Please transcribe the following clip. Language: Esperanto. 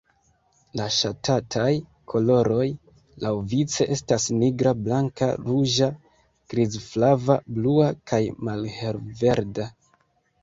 La ŝatataj koloroj laŭvice estas nigra, blanka, ruĝa, grizflava, blua kaj malhelverda.